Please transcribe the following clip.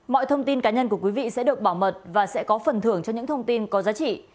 mọi thông tin cá nhân của quý vị sẽ được bảo mật và sẽ có phần thưởng cho những thông tin có giá trị